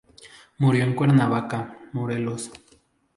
Murió en Cuernavaca, Morelos.